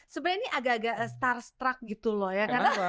sebenernya ini agak agak starstruck gitu loh ya